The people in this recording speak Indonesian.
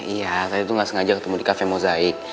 iya saya tuh gak sengaja ketemu di cafe mozaik